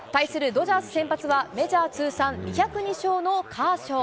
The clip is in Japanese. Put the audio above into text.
ドジャース先発は、メジャー通算２０２勝のカーショー。